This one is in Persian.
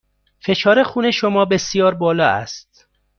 فشار خون شما بسیار بالا است.